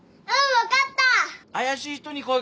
分かった。